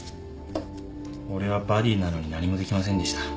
俺はバディなのに何もできませんでした